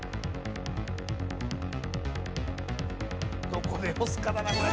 どこで押すかだなこれ。